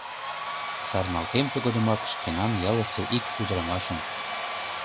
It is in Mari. ...Шарналтем тыгодымак шкенан ялысе ик ӱдырамашым.